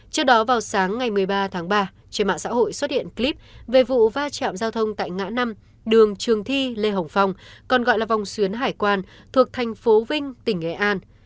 trước đó vào sáng ngày một mươi ba tháng ba trên mạng xã hội xuất hiện clip về vụ va chạm giao thông tại ngã năm đường trường thi lê hồng phong còn gọi là vòng xuyến hải quan thuộc thành phố vinh tỉnh nghệ an